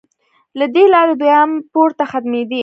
له دې لارې دویم پوړ ته ختمېدې.